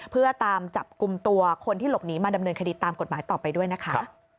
เพื่อตามจับกลุ่มตัวคนที่หลบหนีมาดำเนินคดีตามกฎหมายต่อไปด้วยนะคะ